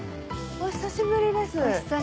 お久しぶりです。